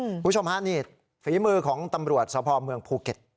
คุณผู้ชมฮะนี่ฝีมือของตำรวจสพเมืองภูเก็ต